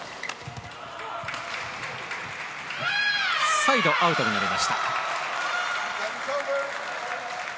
サイドアウトになりました。